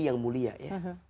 yang mulia ya